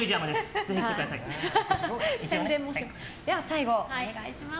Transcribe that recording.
最後、お願いします。